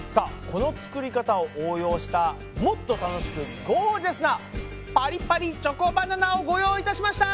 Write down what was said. この作り方を応用したもっと楽しくゴージャスなパリパリチョコバナナをご用意いたしました！